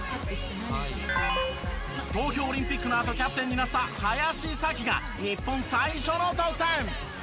東京オリンピックのあとキャプテンになった林咲希が日本最初の得点！